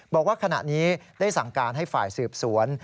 บอกว่าขณะนี้ได้สั่งการให้ฝ่ายสืบสวน